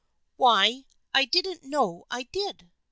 " Why, I didn't know I did.